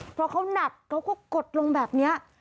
เพราะเขาหนักเขาก็กดลงแบบนี้